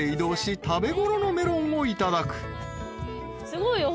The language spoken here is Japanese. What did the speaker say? すごいよ。